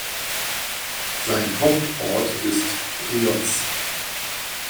Sein Hauptort ist Rioz.